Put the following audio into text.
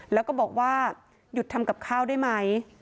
แล้วก็บอกว่าหยุดทำกับข้าวได้ไหม